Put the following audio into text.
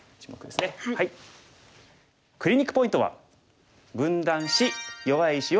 クリニックポイントは。